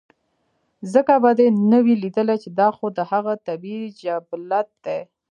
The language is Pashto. ځکه به دې نۀ وي ليدلے چې دا خو د هغه طبعي جبلت دے